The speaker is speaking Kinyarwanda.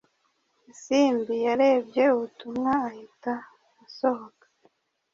Isimbi yarebye ubutumwa ahita asohoka